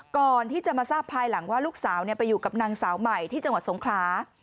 ก่อนที่จะมาทราบภายหลังว่าลูกสาวไปอยู่กับนางสาวใหม่ที่จังหวัดสงขลา